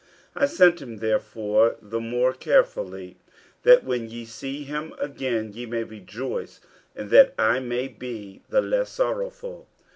50:002:028 I sent him therefore the more carefully, that, when ye see him again, ye may rejoice, and that I may be the less sorrowful.